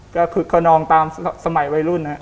ก็คือเขานองตามสมัยวัยรุ่นฮะ